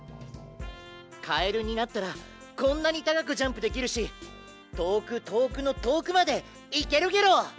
カエルになったらこんなにたかくジャンプできるしとおくとおくのとおくまでいけるゲロ！